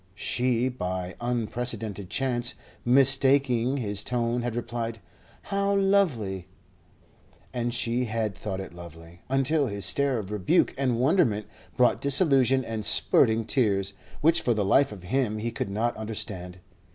She, by unprecedented chance, mistaking his tone, had replied: "How lovely!" And she had thought it lovely, until his stare of rebuke and wonderment brought disillusion and spurting tears, which for the life of him he could not understand.